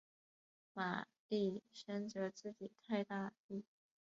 玛丽深责自己太大意。